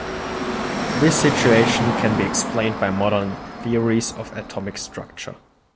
This situation can be explained by modern theories of atomic structure.